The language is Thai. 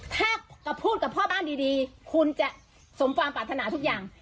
ถ้าจะพูดกับพ่อบ้านดีคุณจะสมความปรารถนาทุกอย่าง